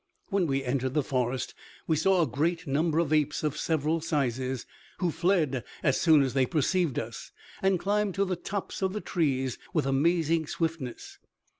When we entered the forest we saw a great number of apes of several sizes, who fled as soon as they perceived us, and climbed to the tops of the trees with amazing swiftness.